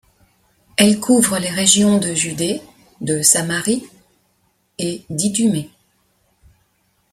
Elle couvre les régions de Judée, de Samarie et d'Idumée.